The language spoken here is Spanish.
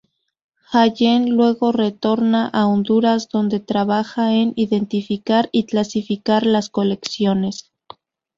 Allen luego retorna a Honduras donde trabaja en identificar y clasificar las colecciones.